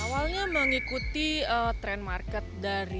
awalnya mengikuti trend market dari empat puluh lima